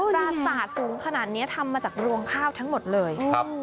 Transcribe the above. ปราสาทสูงขนาดนี้ทำมาจากรวงข้าวทั้งหมดเลย